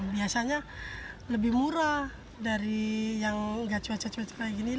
biasanya lebih murah dari yang nggak cuaca cuaca kayak gini